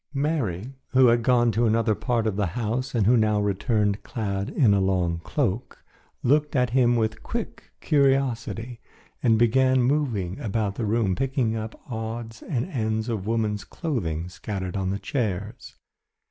Mary, who had gone to another part of the house and who now returned clad in a long cloak, looked at him with quick curiosity, and began moving about the room picking up odds and ends of woman's clothing scattered on the chairs.